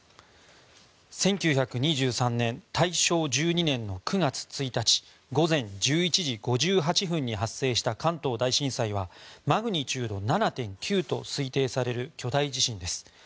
１９２３年大正１２年の９月１日午前１１時５８分に発生した関東大震災はマグニチュード７．９と推定される巨大地震です。